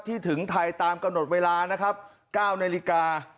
ถึงไทยตามกำหนดเวลานะครับ๙นาฬิกา